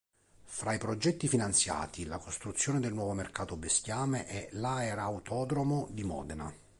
Fra i progetti finanziati: la costruzione del nuovo mercato bestiame e l'aerautodromo di Modena.